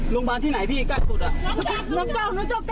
น้องเจ้าน้องเจ้าใกล้สุด